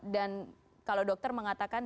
dan kalau dokter mengatakan